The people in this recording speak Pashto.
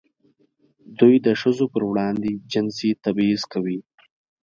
دوی د ښځو پر وړاندې جنسي تبعیض کوي.